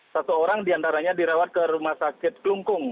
satu orang diantaranya dirawat ke rumah sakit kelungkung